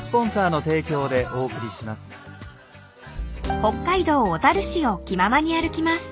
［北海道小樽市を気ままに歩きます］